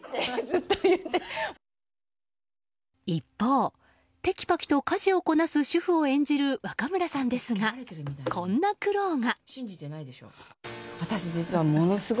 と一方、てきぱきと家事をこなす主婦を演じる若村さんですがこんな苦労が。